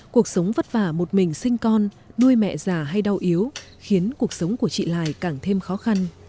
cuộc sống vất vả một mình sinh con đuôi mẹ già hay đau yếu khiến cuộc sống của chị lài càng thêm khó khăn